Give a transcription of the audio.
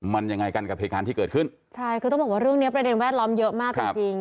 มันยังไงกันกับเหตุการณ์ที่เกิดขึ้นใช่คือต้องบอกว่าเรื่องเนี้ยประเด็นแวดล้อมเยอะมากจริงจริง